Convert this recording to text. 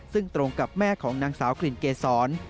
ซึ่งตรงกับแม่ของนางสาวกลิ่นเกษร